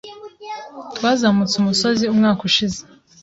Twazamutse umusozi umwaka ushize.